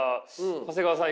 長谷川さん